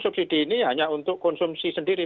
subsidi ini hanya untuk konsumsi sendiri